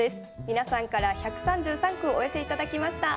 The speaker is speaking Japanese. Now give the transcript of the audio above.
皆さんから１３３句をお寄せ頂きました。